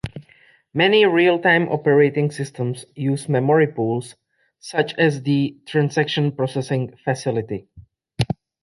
Many real-time operating systems use memory pools, such as the Transaction Processing Facility.